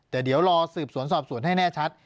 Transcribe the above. แต่เดี๋ยวรอสืบสวนสอบสวนให้แน่ชัด